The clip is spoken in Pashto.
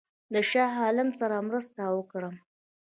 د شاه عالم سره مرسته وکړم.